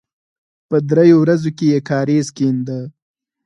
په دریو ورځو کې یې کاریز کېنده.